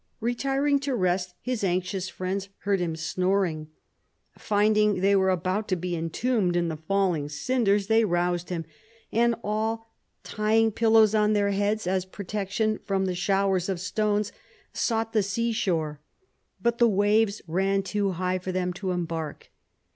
Retiring to rest, his anxious friends heard him snoring. Finding they were about to be entombed in the falling cinders, they roused him, and all, tying pillows on their heads as protection from the showers of stones, sought the seashore; but the waves ran too high for them to embark.